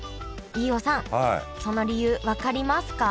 飯尾さんその理由分かりますか？